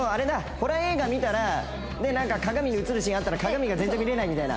ホラー映画見たらでなんか鏡に映るシーンあったら鏡が全然見れないみたいな。